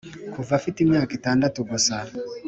kuva mfite imyaka itandatu gusa